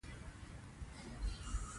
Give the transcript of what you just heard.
افغانستان د لوگر له پلوه متنوع دی.